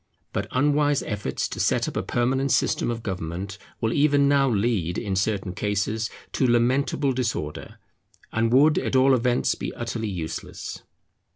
But unwise efforts to set up a permanent system of government would even now lead, in certain cases, to lamentable disorder, and would at all events be utterly useless.